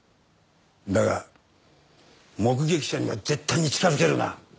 だが目撃者には絶対に近づけるな。